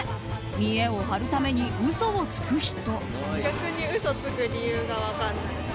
見えを張るために嘘をつく人。